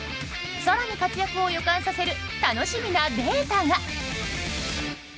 更に活躍を予感させる楽しみなデータが。